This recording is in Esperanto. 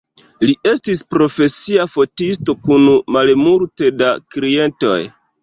Li estis profesia fotisto kun malmulte da klientoj.